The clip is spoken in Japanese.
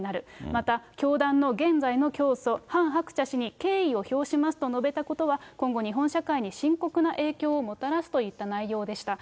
また教団の現在の教祖、ハン・ハクチャ氏に敬意を表しますと述べたことに、今後、日本社会に深刻な影響をもたらすといった内容でした。